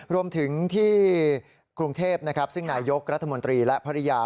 รวมถึงที่กรุงเทพซึ่งนายยกรัฐมนตรีและภรรยา